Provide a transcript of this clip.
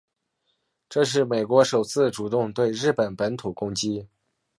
这是美国首次主动对日本本土攻击。